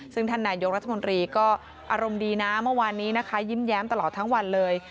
ซึ่งท่านนายกรัฐมนตรีก็อารมณ์ดีนะเมื่อวานนี้นะคะยิ้มแย้มตลอดทั้งวันเลย